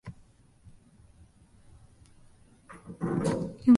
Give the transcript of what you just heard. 然るに歴史的社会的世界においてはどこまでも過去と未来とが対立する。